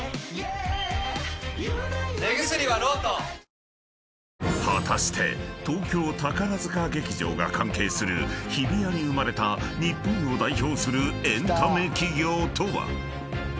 サントリー「金麦」［果たして東京宝塚劇場が関係する日比谷に生まれた日本を代表するエンタメ企業とは？］